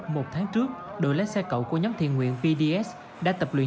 một tháng trước đội lái xe cậu của nhóm thiền nguyện pds đã tập luyện